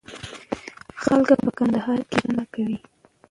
خلک په کندهار کي کرنه کوي.